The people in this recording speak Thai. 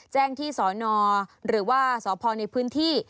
แจ้งที่สอนอหรือว่าสพในพื้นที่